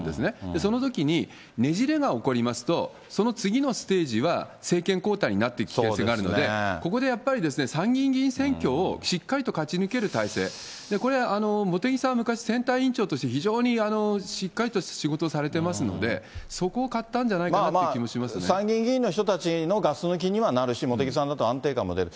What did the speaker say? そのときにねじれが起こりますと、その次のステージは、政権交代になっていく危険性があるので、ここでやっぱり、参議院議員選挙をしっかりと勝ち抜ける体制、これ、茂木さんは昔選対委員長として、非常にしっかりとした仕事をされてますので、そこを買ったんじゃ参議院議員の人たちのガス抜きにはなるし、茂木さんだと安定感も出る。